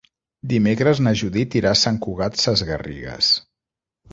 Dimecres na Judit irà a Sant Cugat Sesgarrigues.